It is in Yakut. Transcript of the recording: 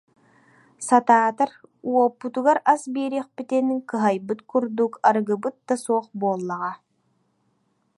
Сатаатар, уоппутугар ас биэриэхпитин, кыһайбыт курдук арыгыбыт да суох буоллаҕа»